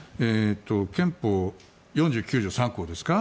憲法４９条３項ですか。